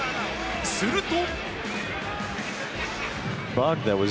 すると。